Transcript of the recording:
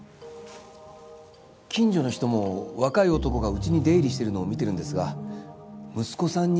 近所の人も若い男がうちに出入りしているのを見ているんですが息子さんに間違いないですか？